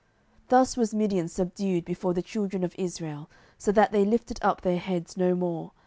07:008:028 Thus was Midian subdued before the children of Israel, so that they lifted up their heads no more.